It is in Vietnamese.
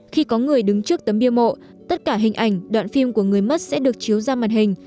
khi có người đứng trước tấm bia mộ tất cả hình ảnh đoạn phim của người mất sẽ được chiếu ra màn hình